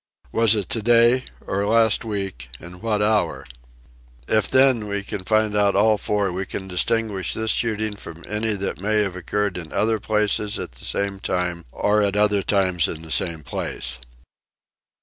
Was it today or last week and what hour ? If then we find out all four we can distinguish this shooting from any that may have occurred in other places at the same time or at other times in the same place.